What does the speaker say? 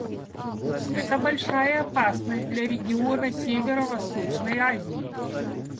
Это большая опасность для региона Северо-Восточной Азии.